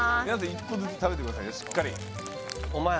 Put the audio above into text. １個ずつ食べてくださいよ